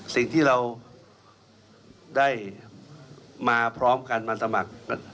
สิ่งที่เราได้มาพร้อมกันมาสมัคร